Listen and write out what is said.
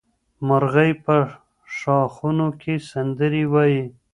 مرغۍ په ښاخونو کې سندرې وایي.